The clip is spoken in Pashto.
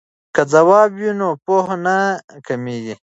که ځواب وي نو پوهه نه کمېږي.